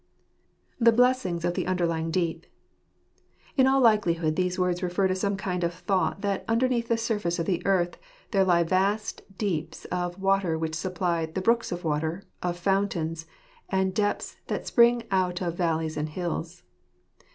The Blessings of the Underlying Deep. — In all likelihood these words refer to some kind of thought that underneath the surface of the earth there lie vast deeps of water which supply " the brooks of water, of fountains, and depths that spring out of valleys and hills."